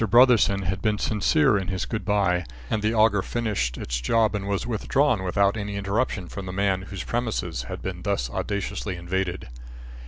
Brotherson had been sincere in his good bye, and the auger finished its job and was withdrawn without any interruption from the man whose premises had been thus audaciously invaded.